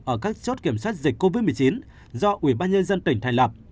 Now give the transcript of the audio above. ở các chốt kiểm soát dịch covid một mươi chín do ubnd tỉnh thành lập